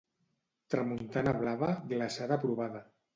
Tramuntana blava, glaçada provada.